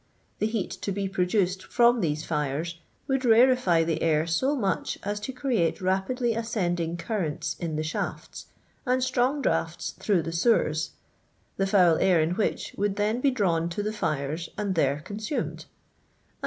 The heat to be produced from these fires would rarefy the air so much ns to create rapidly ascend ing currents in the shafts, and strong draughts through the sewers, the foul nir in which would then be drawn to the fires and there consumed ; and